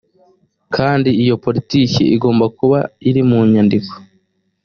kandi iyo politiki igomba kuba iri mu nyandiko